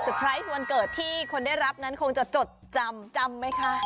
ไพรส์วันเกิดที่คนได้รับนั้นคงจะจดจำจำไหมคะ